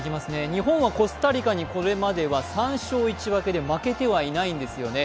日本はコスタリカにこれまでは３勝１分けで負けてはいないんですよね。